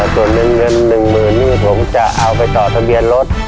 ส่วนเงิน๑๐๐๐นี่ผมจะเอาไปต่อทะเบียนรถ